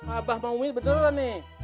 abah sama umi beneran nih